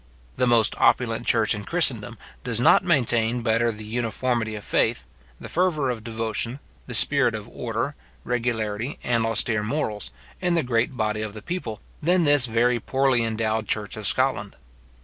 The most opulent church in Christendom does not maintain better the uniformity of faith, the fervour of devotion, the spirit of order, regularity, and austere morals, in the great body of the people, than this very poorly endowed church of Scotland.